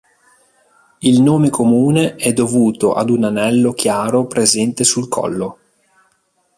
Il nome comune è dovuto ad un anello chiaro presente sul collo.